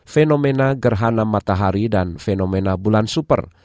fenomena gerhana matahari dan fenomena bulan super